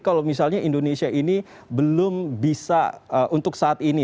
kalau misalnya indonesia ini belum bisa untuk saat ini